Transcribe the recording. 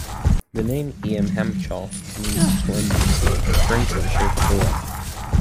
The name "Eamhancholl" means "twinned C", referring to the shape of the letter.